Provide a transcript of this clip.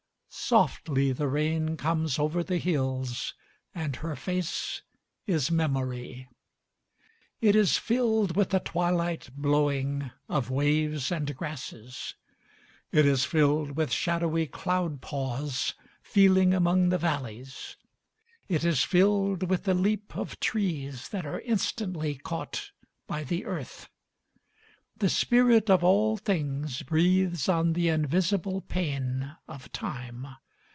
Softly the rain comes over the hills and her face is memory: It is filled with the twilight blowing of waves and grasses; It is filled with shadowy cloud paws feeling among the valleys; It is filled with the leap of trees that are instantly caught by the earth. The spirit of all things breathes on the invisible pane of time.